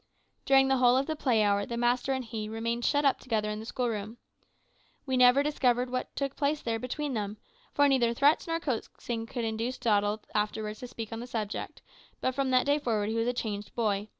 "During the whole of the play hour the master and he remained shut up together in the schoolroom. We never discovered what took place there between them, for neither threats nor coaxing could induce Doddle afterwards to speak on the subject; but from that day forward he was a changed boy.